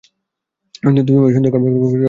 তুমি ঐ সুন্দর কাপরগুলো অন্য কারো জন্য তৈরি করছো?